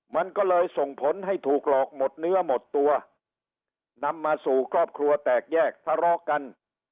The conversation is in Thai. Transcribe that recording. มันก็เลยส่งผลให้ถูกหลอกหมดเนื้อหมดตัวนำมาสู่ครอบครัวแตกแยกทะเลาะกัน